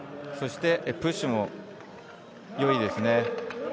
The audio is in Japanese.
そして、プッシュも良いですね。